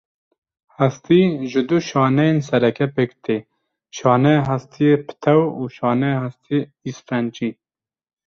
Hestî ji du şaneyên sereke pêk te, şaneya hestiyê pitew û şaneya hestiyê îsfencî.